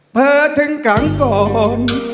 เผลอถึงขังกลม